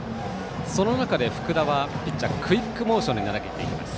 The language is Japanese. その中で福田はピッチャークイックモーションで投げていきます。